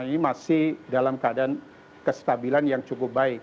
ini masih dalam keadaan kestabilan yang cukup baik